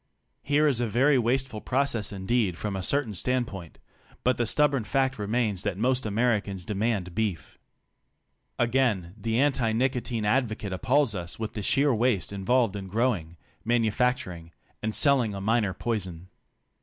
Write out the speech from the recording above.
Here is a very wasteful process indeed from a certain standpoint, but the stubborn fact remains that most Americans demand beef. Again, the anti nicotine advocate appals us with the sheer waste involved in growing, manufacturing and sell ing a minor poison.